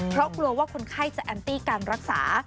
เพราะกลัวว่าคนไข้จะแอนตี้การรักษา